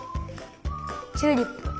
チューリップ。